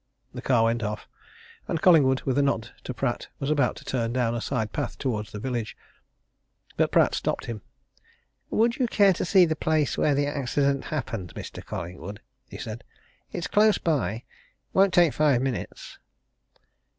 The car went off, and Collingwood, with a nod to Pratt, was about to turn down a side path towards the village. But Pratt stopped him. "Would you care to see the place where the accident happened, Mr. Collingwood?" he said. "It's close by won't take five minutes."